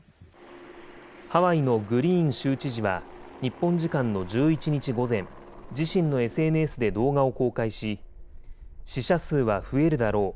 ハワイのグリーン州知事は日本時間の１１日午前、自身のＳＮＳで動画を公開し、死者数は増えるだろう。